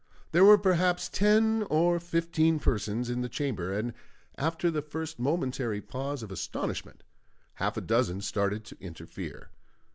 There were perhaps ten or fifteen persons in the chamber, and after the first momentary pause of astonishment half a dozen started to interfere.